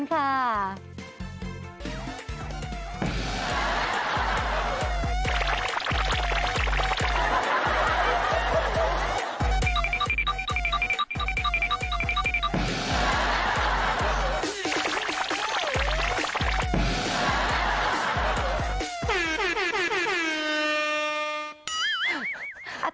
ครับ